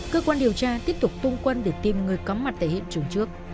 cơ quan điều tra tiếp tục tung quân để tìm người có mặt tại hiện trường trước